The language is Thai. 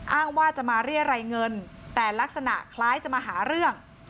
อ้างว่าจะมาเรียรัยเงินแต่ลักษณะคล้ายจะมาหาเรื่อง